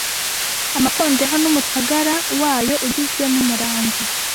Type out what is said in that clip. Amakondera n’umutagara wayo ugizwe n' umurangi